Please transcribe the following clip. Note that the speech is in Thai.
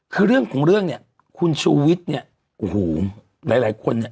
คือเรื่องของเรื่องนี้คุณชุวิตโอ้โหหลายคนเนี่ย